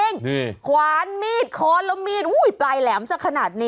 นี่ขวานมีดค้อนแล้วมีดอุ้ยปลายแหลมสักขนาดนี้